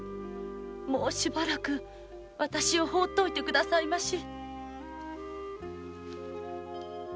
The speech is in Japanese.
もうしばらく私をほうっておいて下さいまし。